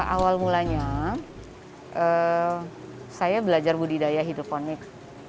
awal mulanya saya belajar budidaya hidroponik